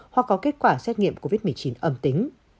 hoặc có kết quả xét nghiệm covid một mươi chín âm tính